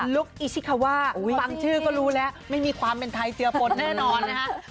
ลุคอิซิคาวาบางชื่อก็รู้ละไม่มีความเป็นไทยเจียปนแน่นอนได้นะคะ